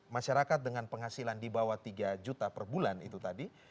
masyarakat dengan penghasilan di bawah tiga juta per bulan itu tadi